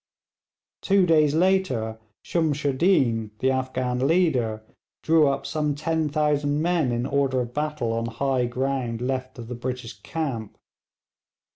Two days later Shumshoodeen, the Afghan leader, drew up some 10,000 men in order of battle on high ground left of the British camp.